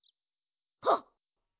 はっ！